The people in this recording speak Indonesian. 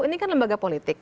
ini kan lembaga politik